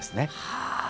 はあ。